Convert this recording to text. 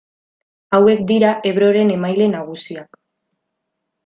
Hauek dira Ebroren emaile nagusiak.